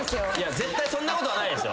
絶対そんなことはないですよ。